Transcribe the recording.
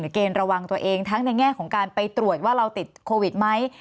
เกณฑ์ระวังตัวเองทั้งในแง่ของการไปตรวจว่าเราติดโควิดไหม